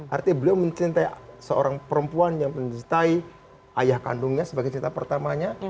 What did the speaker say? artinya beliau mencintai seorang perempuan yang mencintai ayah kandungnya sebagai cinta pertamanya